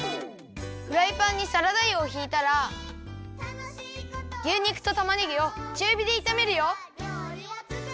フライパンにサラダ油をひいたら牛肉とたまねぎをちゅうびでいためるよ。